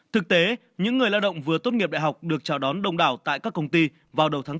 thực tế những người lao động vừa tốt nghiệp đại học được chào đón đông đảo tại các công ty vào đầu tháng bốn